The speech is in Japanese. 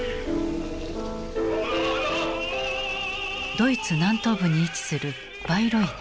ドイツ南東部に位置するバイロイト。